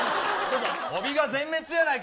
帯が全滅やないか。